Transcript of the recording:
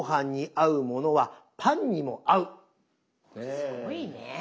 すごいね。